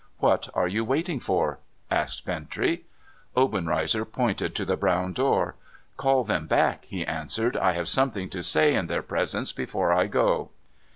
'What are you waiting for?' asked Bintrey. Obenreizer pointed to the brown door. ' Call them back,' he answered. ' I have something to say in their presence before I go.'